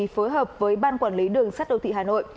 phối hợp với ban quản lý đường sắt đô thị hà nội